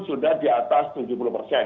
sudah di atas tujuh puluh persen